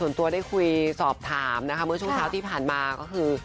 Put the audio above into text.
ตัวได้คุยสอบถามนะคะเมื่อช่วงเช้าที่ผ่านมาก็คือ